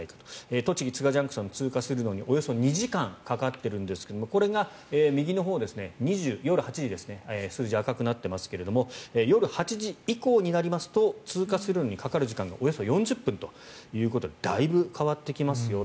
栃木都賀ＪＣＴ通過するのにおよそ２時間かかっているんですがこれが右のほう、夜８時数字、赤くなっていますが夜８時以降になりますと通過するのにかかる時間がおよそ４０分ということでだいぶ変わってきますよ